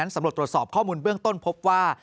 สำรวจตรวจสอบข้อมูลเบื้องต้นพบว่า